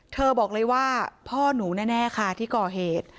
เธอบอกเลยว่าพ่อหนูแน่ค่ะที่ก่อเหตุ